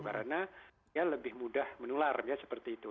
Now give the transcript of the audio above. karena ya lebih mudah menular ya seperti itu